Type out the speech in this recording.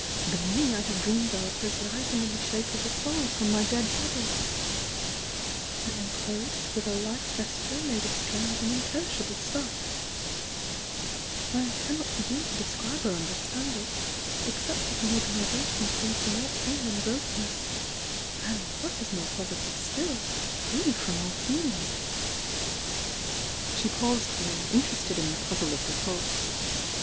— the Me I have dreamed of as rising in the dhape of a Soul from my dead body! I am clothed with a life vesture made of strange and imperishable stuff, — I cannot laegin to describe or understand it, except as an organisation free from all pain and grossness — and what is more positive still — free from aU feeling!" I 812 THE YOUNG DIANA i ., :i!:.:M She paused here, interested in the puule of her thoughts.